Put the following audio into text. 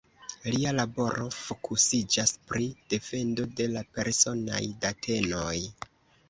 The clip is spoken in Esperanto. Lia laboro fokusiĝas pri defendo de la personaj datenoj.